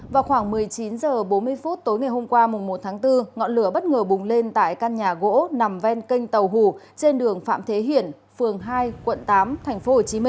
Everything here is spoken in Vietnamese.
vào khoảng một mươi chín h bốn mươi phút tối ngày hôm qua một tháng bốn ngọn lửa bất ngờ bùng lên tại căn nhà gỗ nằm ven kênh tàu hù trên đường phạm thế hiển phường hai quận tám tp hcm